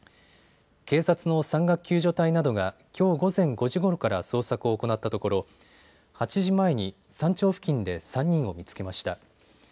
警察の山岳救助隊などがきょう午前５時ごろから捜索を行ったところ８時前に山頂付近で３人を見つけました。